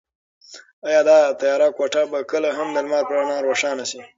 ایا دا تیاره کوټه به کله هم د لمر په رڼا روښانه شي؟